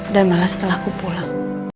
dan malah setelah aku pulang